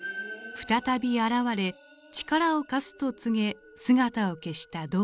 再び現れ力を貸すと告げ姿を消した童子。